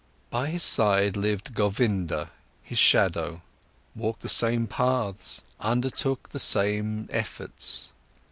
By his side lived Govinda, his shadow, walked the same paths, undertook the same efforts.